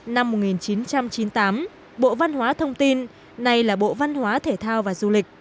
năm một nghìn chín trăm chín mươi tám bộ văn hóa thông tin nay là bộ văn hóa thể thao và du lịch